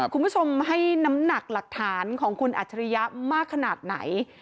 คุณผู้ชมให้น้ำหนักหลักฐานของคุณอัจฉริยะมากขนาดไหน